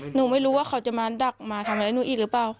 หนูไม่รู้ว่าเขาจะมาดักมาทำอะไรหนูอีกหรือเปล่า